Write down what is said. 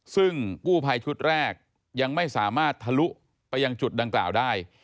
ซึ่งกู้ภัยชุดแรกยังไม่สามารถทะลุไปยังจุดดังกล่าวได้